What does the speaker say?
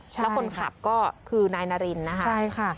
และคนขับก็คือนายนารินนะคะ